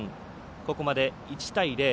ここまで１対０。